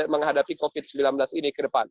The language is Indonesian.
menghadapi covid sembilan belas ini ke depan